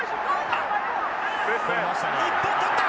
日本捕った！